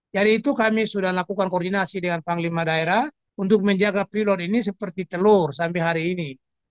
dari itu kami sudah lakukan koordinasi dengan panglima daerah untuk menjaga pilot ini seperti telur sampai hari ini